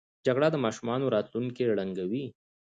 جګړه د ماشومانو راتلونکی ړنګوي